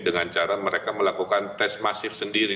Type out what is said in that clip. dengan cara mereka melakukan tes masif sendiri